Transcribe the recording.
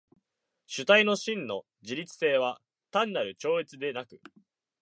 主体の真の自律性は単なる超越でなく、